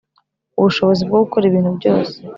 ubushobozi bwo gukora ibintu byose